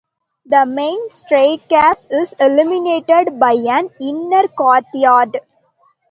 The main staircase is illuminated by an inner courtyard.